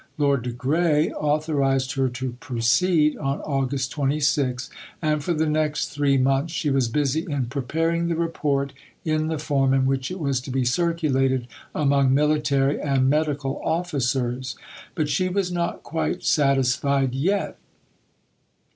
Lord de Grey authorized her to proceed on August 26, and for the next three months she was busy in preparing the Report in the form in which it was to be circulated among military and medical officers. But she was not quite satisfied yet.